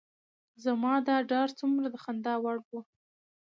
زما دا ډار څومره د خندا وړ و.